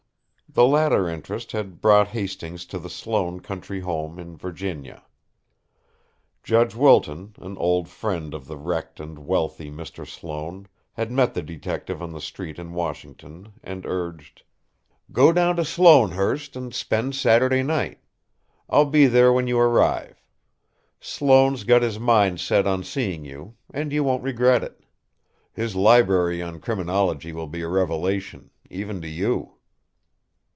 The latter interest had brought Hastings to the Sloane country home in Virginia. Judge Wilton, an old friend of the wrecked and wealthy Mr. Sloane, had met the detective on the street in Washington and urged: "Go down to Sloanehurst and spend Saturday night. I'll be there when you arrive. Sloane's got his mind set on seeing you; and you won't regret it. His library on criminology will be a revelation, even to you."